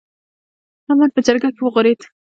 احمد په جرګه کې وغورېد.